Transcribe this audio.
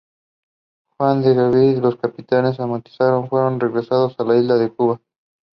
The book title information comes from Google and Ingram.